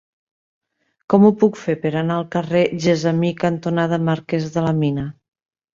Com ho puc fer per anar al carrer Gessamí cantonada Marquès de la Mina?